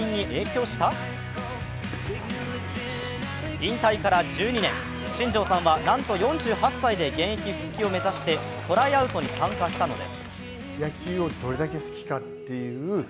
引退から１２年、新庄さんはなんと４８歳で現役復帰を目指して、トライアウトに参加したのです。